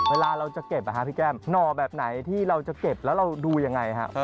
เวลาเราจะเก็บพี่แก้มหน่อแบบไหนที่เราจะเก็บแล้วเราดูยังไงครับ